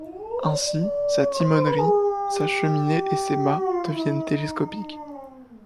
Ainsi, sa timonerie, sa cheminée et ses mâts deviennent télescopiques.